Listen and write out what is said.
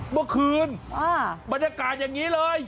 เมื่อคืนบรรยากาศอย่างนี้เลย